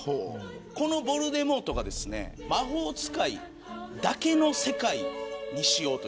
このヴォルデモートが魔法使いだけの世界にしようとしている。